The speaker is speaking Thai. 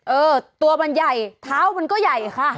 เออตัวมันใหญ่เท้ามันก็ใหญ่ค่ะ